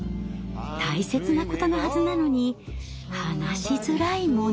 大切なことのはずなのに話しづらいもの。